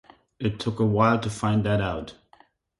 It took a while to find that out.